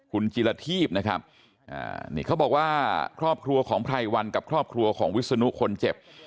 คุณจิลทีพนะครับนี่เขาบอกว่าครอบครัวของไพรวันกับครอบครัวของวิศนุคนเจ็บ